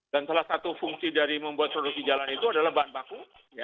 dan salah satu fungsi dari membuat produksi jalan itu adalah bahan baku